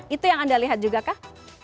itu yang anda lihat juga kah